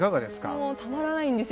もうたまらないんですよ。